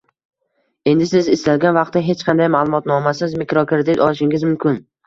Endi siz istalgan vaqtda, hech qanday ma'lumotnomasiz mikrokredit olishingiz mumkin